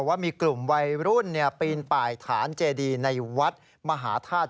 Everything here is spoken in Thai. ว่ามีกลุ่มวัยรุ่นปีนป่ายฐานเจดีในวัดมหาธาตุ